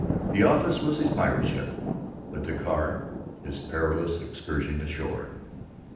The office was his pirate ship but the car his perilous excursion ashore.